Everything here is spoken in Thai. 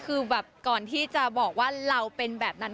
คือแบบก่อนที่จะบอกว่าเราเป็นแบบนั้น